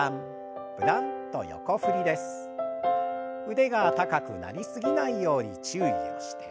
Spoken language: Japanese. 腕が高くなりすぎないように注意をして。